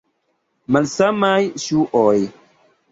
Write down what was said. Malsamaj ŝuoj.